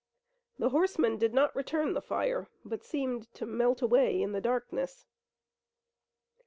The horsemen did not return the fire, but seemed to melt away in the darkness.